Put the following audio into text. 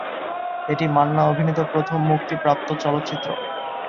এটি মান্না অভিনীত প্রথম মুক্তি প্রাপ্ত চলচ্চিত্র।